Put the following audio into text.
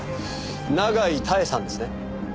永井多恵さんですね？